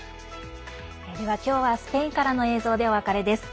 今日はスペインからの映像でお別れです。